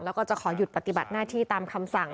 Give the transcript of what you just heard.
แล้วก็จะขอหยุดปฏิบัติหน้าที่ตามคำสั่ง